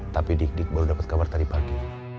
tapi dik dik baru dapat kabar tadi pagi